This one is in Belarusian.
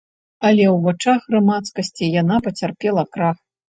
Але ў вачах грамадскасці яна пацярпела крах.